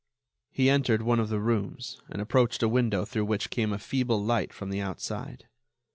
He entered, one of the rooms and approached a window through which came a feeble light from the outside.